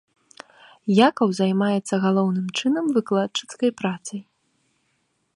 Якаў займаецца галоўным чынам выкладчыцкай працай.